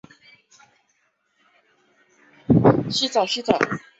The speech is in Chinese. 帕拉军工厂是一家原本位于加拿大安大略省多伦多的小型枪械生产商。